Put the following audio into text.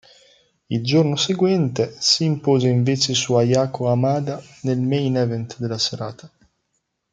Il giorno seguente si impose invece su Ayako Hamada nel main event della serata.